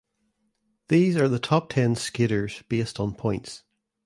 These are the top ten skaters based on points.